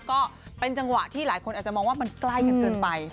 ก็เป็นจังหวะที่หลายคนอาจจะมองว่ามันใกล้กันเกินไป